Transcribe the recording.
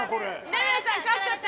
二宮さん勝っちゃって。